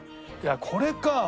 いやこれか。